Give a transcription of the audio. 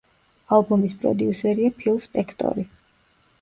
ალბომის პროდიუსერია ფილ სპექტორი.